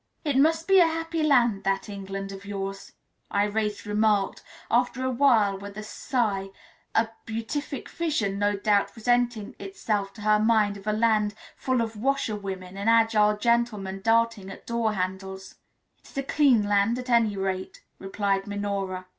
"It must be a happy land, that England of yours," Irais remarked after a while with a sigh a beatific vision no doubt presenting itself to her mind of a land full of washerwomen and agile gentlemen darting at door handles. "It is a clean land, at any rate," replied Minora.